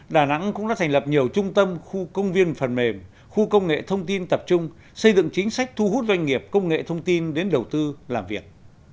đà nẵng cũng đã thành lập nhiều trung tâm khu công viên phần mềm khu công nghệ thông tin tập trung xây dựng chính sách thu hút doanh nghiệp công nghệ thông tin đến đầu tư làm việc